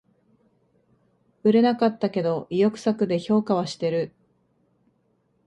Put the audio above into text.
売れなかったけど意欲作で評価はしてる